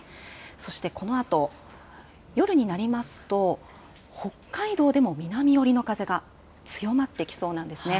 そしてこのあと、夜になりますと、北海道でも南寄りの風が強まってきそうなんですね。